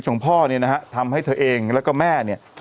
ของพ่อเนี่ยนะฮะทำให้เธอเองแล้วก็แม่เนี่ย